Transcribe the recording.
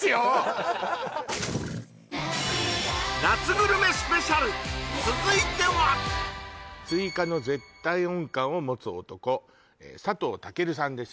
夏グルメスペシャルスイカの絶対音感を持つ男佐藤洸さんです